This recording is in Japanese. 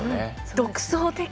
独創的。